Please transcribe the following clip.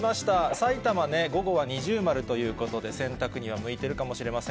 さいたまね、午後は二重丸ということで、洗濯には向いてるかもしれません。